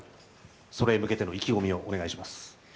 それへ向けての意気込みをお願いします。